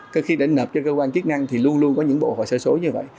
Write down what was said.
cơ khi để nợp cho cơ quan chức năng thì luôn luôn có những bộ hồ sơ số như vậy